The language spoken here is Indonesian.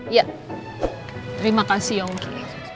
terima kasih yongki